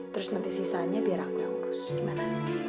terus nanti sisanya biar aku yang urus gimana